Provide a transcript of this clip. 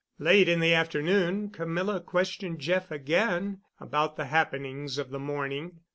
Late in the afternoon Camilla questioned Jeff again about the happenings of the morning.